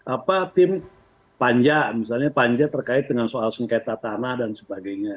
apa tim panja misalnya panja terkait dengan soal sengketa tanah dan sebagainya